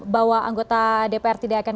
bahwa anggota dpr tidak akan